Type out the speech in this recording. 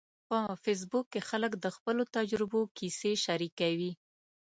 په فېسبوک کې خلک د خپلو تجربو کیسې شریکوي.